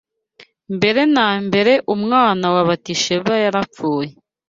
Mbere na mbere umwana wa Batisheba yarapfuye